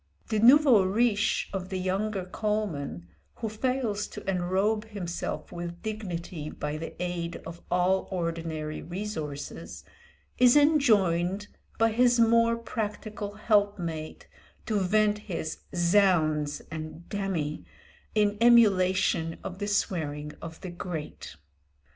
The nouveau riche of the younger Colman, who fails to enrobe himself with dignity by the aid of all ordinary resources, is enjoined by his more practical helpmate to vent his "zounds" and "damme," in emulation of the swearing of the great.